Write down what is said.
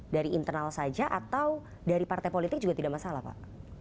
dari internal saja atau dari partai politik juga tidak masalah pak